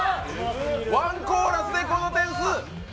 ワンコーラスでこの点数。